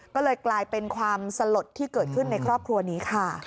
ก็เลยกลายเป็นความสลดที่เกิดขึ้นในครอบครัวนี้ค่ะ